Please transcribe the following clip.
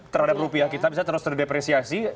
terhadap rupiah kita bisa terus terdepresiasi